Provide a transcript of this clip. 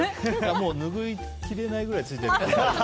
もうぬぐいきれないくらいついてる。